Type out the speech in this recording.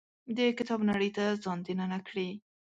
د کتاب نړۍ ته ځان دننه کړي.